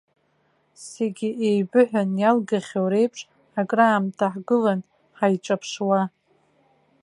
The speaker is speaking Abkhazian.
Зегьы еибыҳәаны иалгахьоу реиԥш, акраамҭа ҳгылан ҳаиҿаԥшуа.